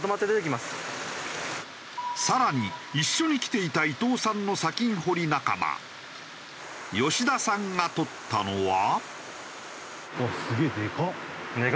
更に一緒に来ていた伊藤さんの砂金掘り仲間吉田さんが採ったのは。